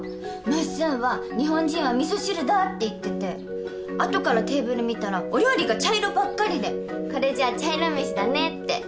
マッスンは日本人は味噌汁だって言ってて後からテーブル見たらお料理が茶色ばっかりでこれじゃ茶色めしだねって。